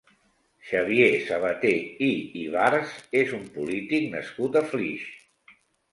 Xavier Sabaté i Ibarz és un polític nascut a Flix.